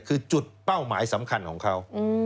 คือจุดเป้าหมายสำคัญของเขา